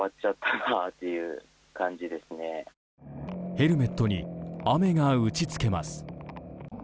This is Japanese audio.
ヘルメットに雨が打ち付けます。